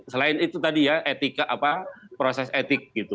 selain itu tadi ya etika apa proses etik gitu